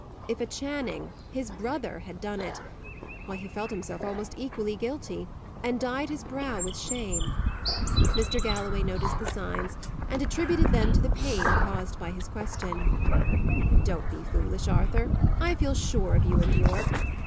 If a Channing, his brother, had done it why, he felt himself almost equally guilty; and it dyed his brow with shame. Mr. Galloway noticed the signs, and attributed them to the pain caused by his question. "Don't be foolish, Arthur. I feel sure of you and Yorke.